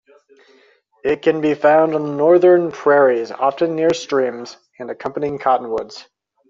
It can be found on the northern prairies, often near streams, and accompanying cottonwoods.